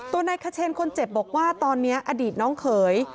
นายขเชนคนเจ็บบอกว่าตอนนี้อดีตน้องเขย